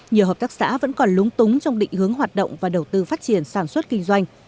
nhiều hợp tác xã vẫn còn lúng túng trong định hướng hoạt động và đầu tư phát triển sản xuất kinh doanh